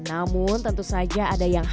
namun tentu saja ada yang harus